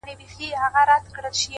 • د الماسو یو غمی یې وو ورکړی,